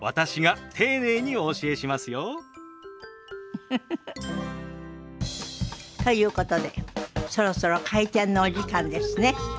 ウフフフ。ということでそろそろ開店のお時間ですね。